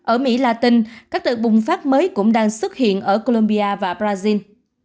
ở mỹ latin các đợt bùng phát mới cũng đang xuất hiện ở colombia và brazil